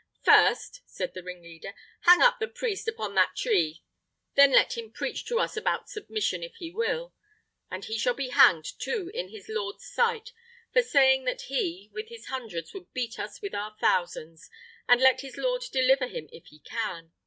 "First," said the ringleader, "hang up the priest upon that tree, then let him preach to us about submission if he will; and he shall be hanged, too, in his lord's sight, for saying that he, with his hundreds, would beat us with our thousands, and let his lord deliver him if he can.